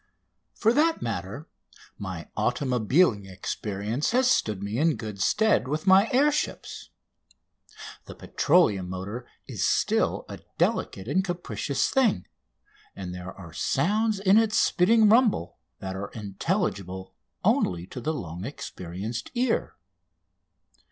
For that matter, my automobiling experience has stood me in good stead with my air ships. The petroleum motor is still a delicate and capricious thing, and there are sounds in its spitting rumble that are intelligible only to the long experienced ear.